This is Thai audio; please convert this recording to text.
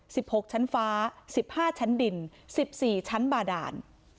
หกชั้นฟ้าสิบห้าชั้นดินสิบสี่ชั้นบาดาน